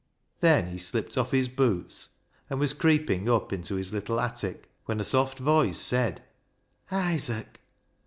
Then he slipped off his boots, and was creeping up into his little attic, when a soft voice said, " Isaac